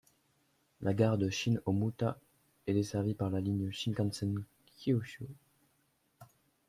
La gare de Shin-Ōmuta est desservie par la ligne Shinkansen Kyūshū.